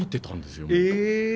え！